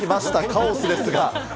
カオスですが。